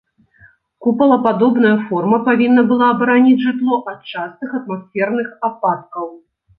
Купалападобная форма павінна была абараніць жытло ад частых атмасферных ападкаў.